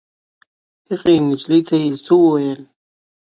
هغې نجلۍ ته یې څه وویل.